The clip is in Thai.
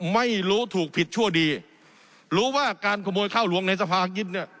ไม่รู้ถูกผิดชั่วดีรู้ว่าการขโมยข้าวหลวงในสภากินเนี่ย